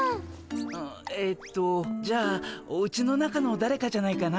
ああえっとじゃあおうちの中のだれかじゃないかな？